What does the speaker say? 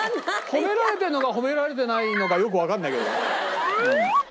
褒められてるのか褒められてないのかよくわかんないけど。